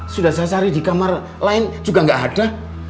sudah saya cari di kamar lain juga nggak ada